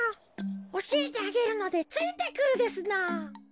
おしえてあげるのでついてくるですのぉ。